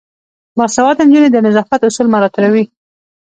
باسواده نجونې د نظافت اصول مراعاتوي.